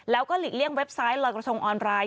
แล้วก็หลีกเลี่ยงเว็บไซต์ลอยกระทงออนไลน์